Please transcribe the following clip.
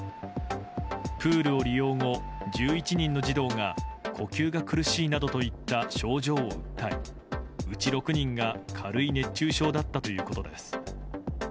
プールを利用後、１１人の児童が呼吸が苦しいなどといった症状を訴えうち６人が軽い熱中症だったということです。